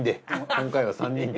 今回は３人で。